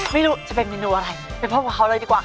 ไม่รู้จะเป็นเมนูอะไรไปพบกับเขาเลยดีกว่าค่ะ